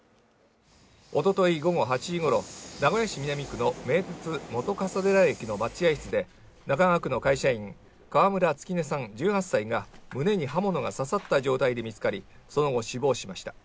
おととい午後８時ごろ、名古屋市南区の名鉄本笠寺駅の待合室で、中川区の会社員川村月音さん１８歳が胸に刃物が刺さった状態で見つかり、その後死亡しました。